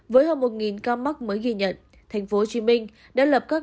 với hơn một ca mắc mới ghi nhận tp hcm đã lập các